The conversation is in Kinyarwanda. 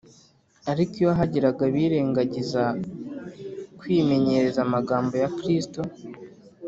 ariko iyo hagiraga abirengagiza kwimenyereza amagambo ya kristo,